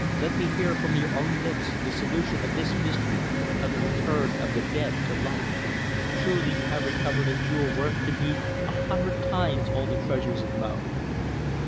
Let me hear from your own lips the solution of this mystery of the return of the dead to life. Truly you have recovered a jewel worth to me a hundred times all the treasures of Mo."